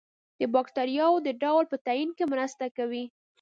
د باکتریاوو د ډول په تعین کې مرسته کوي.